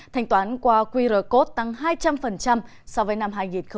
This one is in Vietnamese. thanh toán qua qr code tăng hai trăm linh so với năm hai nghìn hai mươi